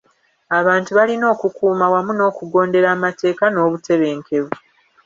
Abantu balina okukuuma wamu n'okugondera amateeka n'obutebenkevu.